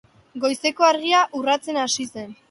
Goizeko argia urratzen hasia zen.